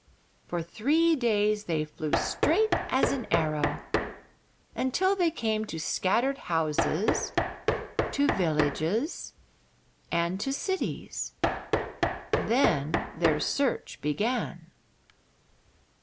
For three days they flew straight as an arrow, until they came to scattered houses, to villages, and to cities. Then their search began.